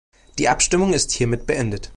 Die Abstimmung ist hiermit beendet.